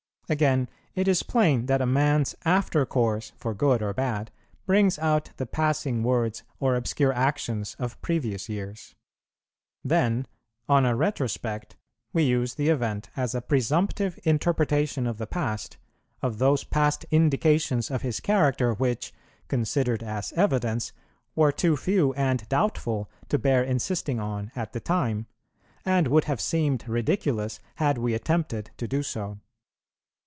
Again, it is plain that a man's after course for good or bad brings out the passing words or obscure actions of previous years. Then, on a retrospect, we use the event as a presumptive interpretation of the past, of those past indications of his character which, considered as evidence, were too few and doubtful to bear insisting on at the time, and would have seemed ridiculous, had we attempted to do so.